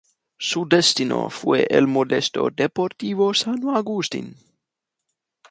Su destino fue el modesto Deportivo San Agustín.